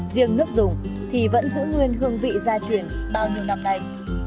riêng nước dùng thì vẫn giữ nguyên hương vị gia truyền bao nhiêu năm nay